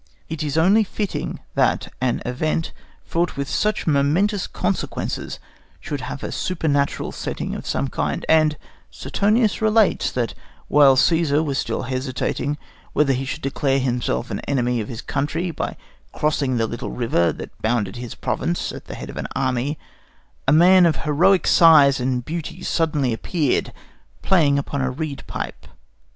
It is only fitting that an event fraught with such momentous consequences should have a supernatural setting of some kind; and Suetonius relates that while Cæsar was still hesitating whether he should declare himself an enemy of his country by crossing the little river that bounded his province at the head of an army, a man of heroic size and beauty suddenly appeared, playing upon a reed pipe.